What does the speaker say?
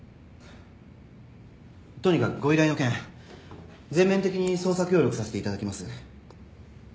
とにかくご依頼の件全面的に捜査協力させていただきます。